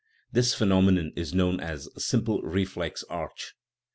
This phenomenon is known as a " simple reflex arch."